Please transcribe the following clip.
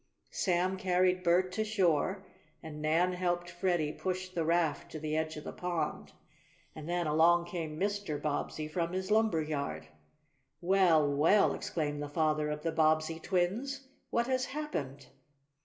Sam carried Bert to shore, and Nan helped Freddie push the raft to the edge of the pond. And then along came Mr. Bobbsey from his lumberyard. "Well, well!" exclaimed the father of the Bobbsey twins. "What has happened?"